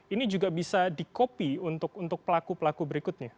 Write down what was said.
ini juga bisa di copy untuk pelaku pelaku berikutnya